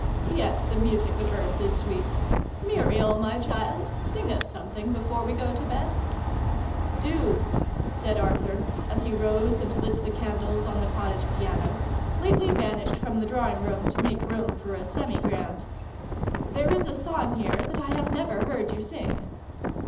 Yet the music of Earth is sweet ! Muriel, my child, sing us something before we go to bed !"" Do," said Arthur, as he rose and lit the candles on the cottage piano, lately banished from the drawing room to make room for a 'semi grand.' "There is a song here, that I have never heard you sing.